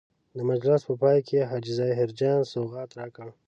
د مجلس په پای کې حاجي ظاهر جان سوغات راکړ.